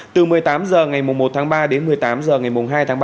từ một mươi tám h ngày một tháng ba đến một mươi tám h ngày hai tháng ba